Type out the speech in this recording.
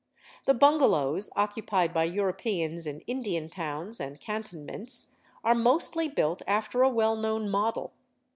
The bungalows occupied by Kuropeans in Indian towns and Cantonments are mostly built after a well known model.